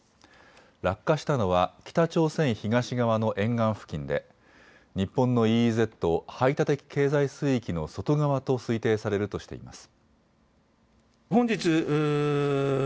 落下したのは北朝鮮東側の沿岸付近で日本のＥＥＺ・排他的経済水域の外側と推定されるとしています。